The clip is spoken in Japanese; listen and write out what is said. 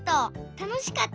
たのしかった！」